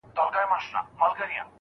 زه د رباب زه د شهباز په ژبه نظم لیکم